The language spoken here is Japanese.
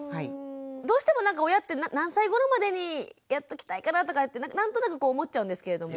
どうしてもなんか親って何歳ごろまでにやっときたいかなとか何となく思っちゃうんですけれども。